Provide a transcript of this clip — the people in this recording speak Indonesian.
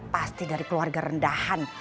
pasti dari keluarga rendahan